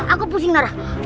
aku pusing nara